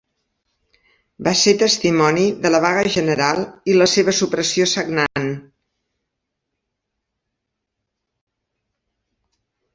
Va ser testimoni de la vaga general i la seva supressió sagnant.